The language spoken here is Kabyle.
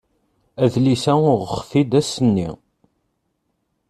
Adlis-a uɣeɣ-t-id ass-nni.